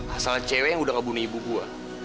asat cewek yang udah kebunuh ibu gue